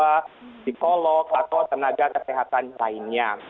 seperti psikiater perawat jiwa psikolog atau tenaga kesehatan lainnya